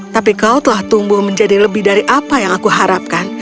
tapi kau telah tumbuh menjadi lebih dari apa yang aku harapkan